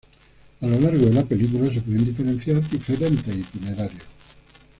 A lo largo de la película, se pueden diferenciar diferentes itinerarios.